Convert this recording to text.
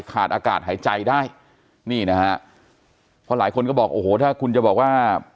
ขาดอากาศหายใจได้นี่นะฮะเพราะหลายคนก็บอกโอ้โหถ้าคุณจะบอกว่า